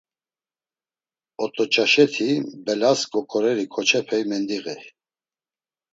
Ot̆oçaşeti mbelas goǩoreri keç̌opey mendiğey.